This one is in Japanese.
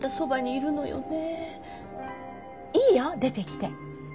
いいよ出てきて。